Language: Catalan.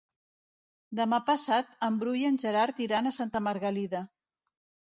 Demà passat en Bru i en Gerard iran a Santa Margalida.